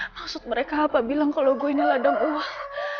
maksud mereka apa bilang kalau gue ini ladang uang